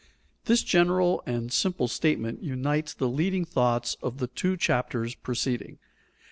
_ This general and simple statement unites the leading thoughts of the two chapters preceding.